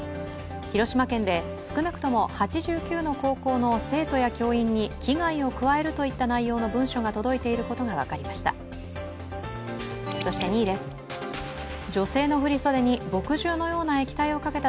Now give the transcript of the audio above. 広島県で少なくとも８９の高校の生徒や教員に危害を加えるといった内容の文章が届いていることが分かりました。